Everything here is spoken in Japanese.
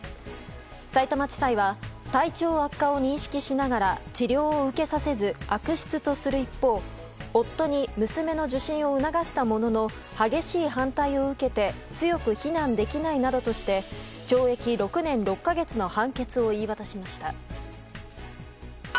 さいたま地裁は体調悪化を認識しながら治療を受けさせず悪質とする一方夫に娘の受診を促したものの激しい反対を受けて強く非難できないなどとして懲役６年６か月の判決を言い渡しました。